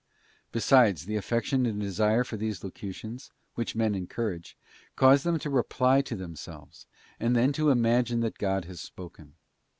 Besides, the affection and desire for these locutions, which men encourage, cause them to reply to themselves, and then to imagine that God has spoken.